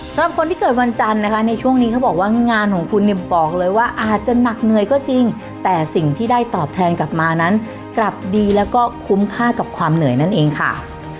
สำหรับคนที่เกิดวันจันทร์นะคะในช่วงนี้เขาบอกว่างานของคุณเนี่ยบอกเลยว่าอาจจะหนักเหนื่อยก็จริงแต่สิ่งที่ได้ตอบแทนกลับมานั้นกลับดีแล้วก็คุ้มค่ากับความเหนื่อยนั่นเองค่ะ